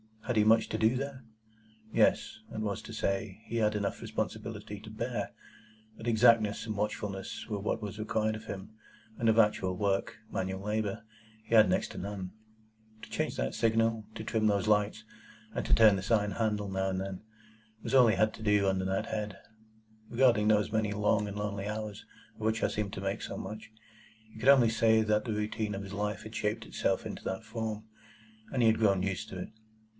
Had he much to do there? Yes; that was to say, he had enough responsibility to bear; but exactness and watchfulness were what was required of him, and of actual work—manual labour—he had next to none. To change that signal, to trim those lights, and to turn this iron handle now and then, was all he had to do under that head. Regarding those many long and lonely hours of which I seemed to make so much, he could only say that the routine of his life had shaped itself into that form, and he had grown used to it.